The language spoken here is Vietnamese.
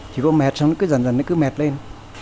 chỉ có mệt xong nó cứ dần dần mệt lên